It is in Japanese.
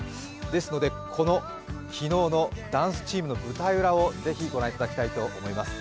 ですので、この昨日のダンスチームの舞台裏をぜひ御覧いただきたいと思います。